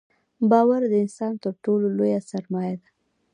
• باور د انسان تر ټولو لوی سرمایه ده.